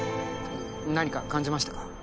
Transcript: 何か感じましたか？